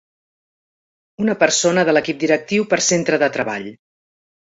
Una persona de l'equip directiu per centre de treball.